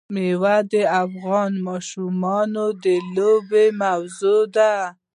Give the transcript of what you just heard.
مېوې د افغان ماشومانو د لوبو موضوع ده.